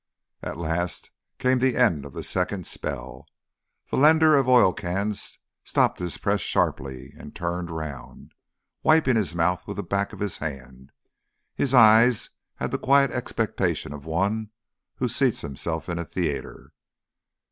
At last came the end of the second spell. The lender of oil cans stopped his press sharply and turned round, wiping his mouth with the back of his hand. His eyes had the quiet expectation of one who seats himself in a theatre.